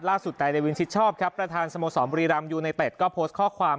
นายเดวินชิดชอบครับประธานสโมสรบุรีรำยูไนเต็ดก็โพสต์ข้อความ